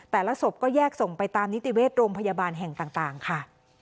ศพก็แยกส่งไปตามนิติเวชโรงพยาบาลแห่งต่างค่ะ